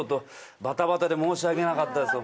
バタバタで申し訳なかったです